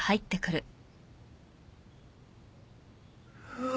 うわ。